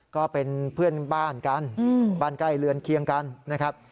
ก็เป็นเพื่อนบ้านกันบ้านใกล้เรือนเคียงกันนะครับ